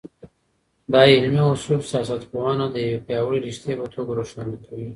دا علمي اصول سياستپوهنه د يوې پياوړې رشتې په توګه روښانه کوي.